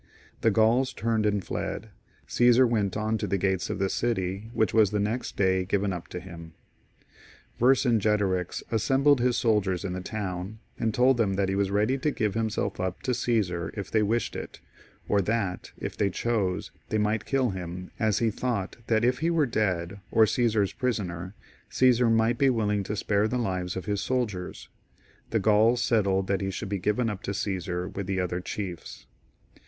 The Gauls turned and fled. Caesar went on to the gates of the city, which was the next day given up to him. Vercingetorix assembled his soldiers in the town, and told them that he was ready to give himself up to Csesar if they wished it, or that, if they chose, they might kill him, as he thought that if he were dead, or Caesar's prisoner, Caesar might be willing to spare the lives of his II.] CjESAR in GAUL. 11 soldiers. The Gauls settled that he should be given up to Caesar with th^ other chiefs.